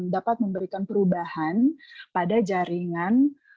dapat memberikan perubahan pada jaringan